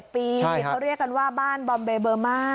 เขาเรียกกันว่าบ้านบอมเบเบอร์มา